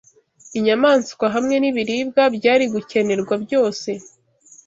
inyamaswa hamwe n’ibiribwa byari gukenerwa byose